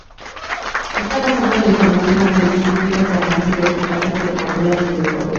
Está basado en la información, análisis, críticas, avances y reportajes sobre consolas y videojuegos.